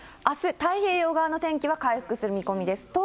あす太平洋側の天気は回復する見込みです。